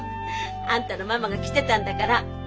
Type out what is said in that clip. あんたのママが着てたんだから。